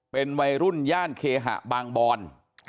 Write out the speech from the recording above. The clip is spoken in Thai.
เป็นวัยรุ่นย่านเคหะบางบอน